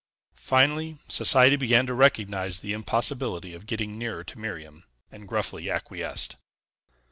Finally, society began to recognize the impossibility of getting nearer to Miriam, and gruffly acquiesced.